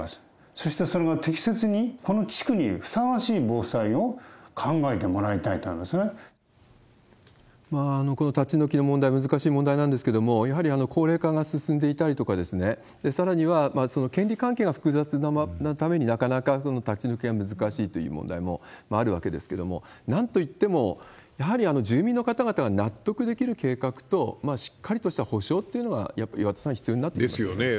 そしてそれが適切にこの地区にふさわしい防災を考えてもらいたいこの立ち退きの問題、難しい問題なんですけれども、やはり高齢化が進んでいたりとか、さらには、権利関係が複雑なために、なかなか立ち退きが難しいという問題もあるわけですけれども、なんといっても、やはり住民の方々が納得できる計画と、しっかりとした補償というのが岩田さん、必要になってきますよね。